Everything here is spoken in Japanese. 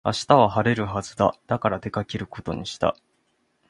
明日は晴れるはずだ。だから出かけることにした。